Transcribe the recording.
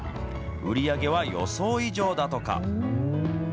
売り上げは予想以上だとか。